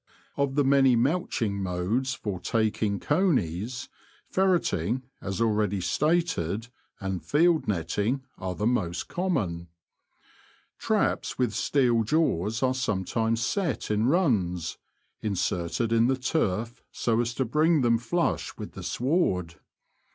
Of the many mouching modes for taking conies, ferretting, as already stated, and field netting are the most common. Traps with steel jaws are sometimes set in runs, inserted in the turf so as to bring them flush with the sward.